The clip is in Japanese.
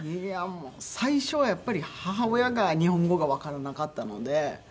いやあもう最初はやっぱり母親が日本語がわからなかったので。